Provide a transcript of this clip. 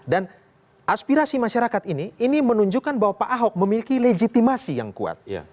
dan aspirasi masyarakat ini ini menunjukkan bahwa pak ahok memiliki legitimasi yang kuat